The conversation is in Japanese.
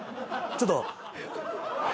ちょっと。